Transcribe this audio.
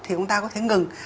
thì chúng ta có thể ngừng